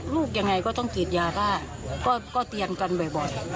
ลูกยังไงก็ต้องทิศยาบ้าก็เตียนกันบ่อย